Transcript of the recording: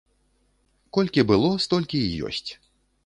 Колькі было, столькі і ёсць.